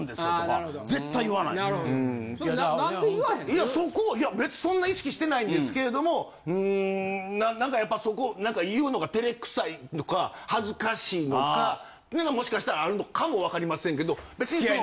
いやそこ別にそんな意識してないんですけれどもうん何かやっぱそこ何か言うのが照れくさいのか恥ずかしいのかもしかしたらあるのかも分かりませんけど別にその。